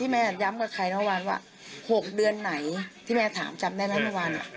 ไม่ได้ทำแล้ว